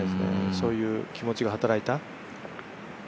そういう気持ちが働いた。